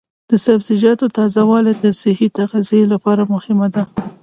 د سبزیجاتو تازه والي د صحي تغذیې لپاره مهمه ده.